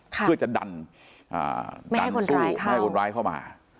ค่ะเพื่อจะดันอ่าดันสู้ไม่ให้คนร้ายเข้าให้คนร้ายเข้ามา